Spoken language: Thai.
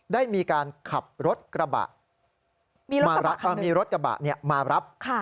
ได้มีการขับรถกระบะ